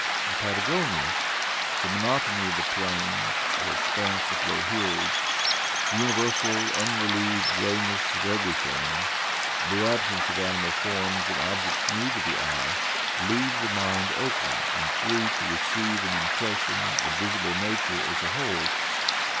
In Patagonia the monotony of the plains, or expanse of low hills, the universal unrelieved grayness of everything, and the absence of animal forms and objects new to the eye, leave the mind open and THE PLAINS OP PATAGONIA 221 free to receive an impression of visible nature as a whole.